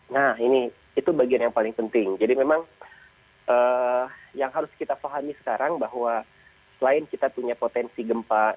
nah ini itu bagian yang paling penting jadi memang yang harus kita pahami sekarang bahwa selain kita punya potensi gempa